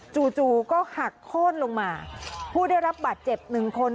จู่ก็หักโค้นลงมาผู้ได้รับบาดเจ็บหนึ่งคน